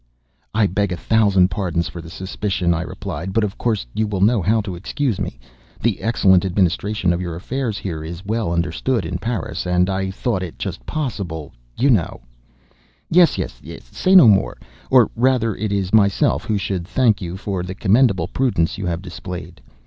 "I beg a thousand pardons for the suspicion," I replied, "but of course you will know how to excuse me. The excellent administration of your affairs here is well understood in Paris, and I thought it just possible, you know—" "Yes, yes—say no more—or rather it is myself who should thank you for the commendable prudence you have displayed.